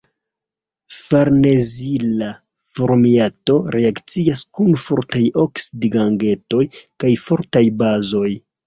Farnezila formiato reakcias kun fortaj oksidigagentoj kaj fortaj bazoj.